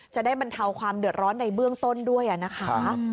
จะได้บรรเทาความเดือดร้อนในเบื้องต้นด้วยนะคะ